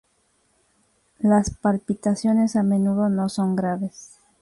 Las palpitaciones a menudo no son graves.